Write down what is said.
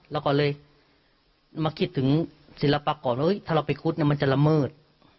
เราก็เลยมาคิดถึงศิลปากรว่าถ้าเราไปคุดมันจะละเมิด